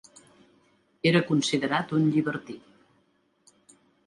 Era considerat un llibertí.